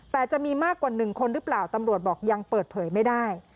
แต่จะมีมากกว่า๑คนหรือเปล่าตำรวจบอกยังเปิดเผยไม่ได้